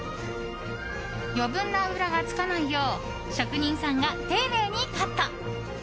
余分な脂がつかないよう職人さんが丁寧にカット。